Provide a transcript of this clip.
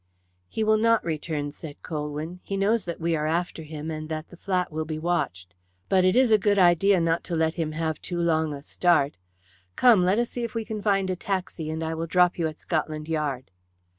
"He will not return," said Colwyn. "He knows that we are after him, and that the flat will be watched. But it is a good idea not to let him have too long a start. Come, let us see if we can find a taxi, and I will drop you at Scotland Yard."